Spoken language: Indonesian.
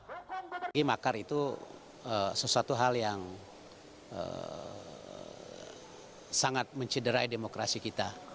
bagi makar itu sesuatu hal yang sangat mencederai demokrasi kita